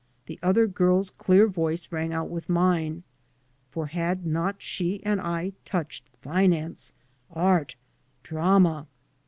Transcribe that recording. The other girl's clear voice rang out with mine. For had not she and I touched finance, art, drama?